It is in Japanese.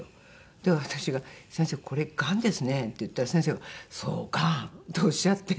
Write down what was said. だから私が「先生これがんですね」って言ったら先生が「そう。がん」っておっしゃって。